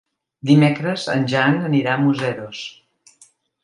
Dimecres en Jan anirà a Museros.